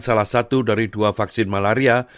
salah satu dari dua vaksin malaria